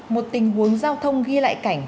một tình huống giao thông ghi lại cảnh